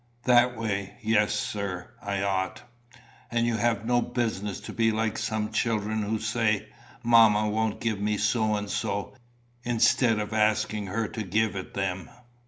"That way, yes, sir, I ought." "And you have no business to be like some children who say, 'Mamma won't give me so and so,' instead of asking her to give it them."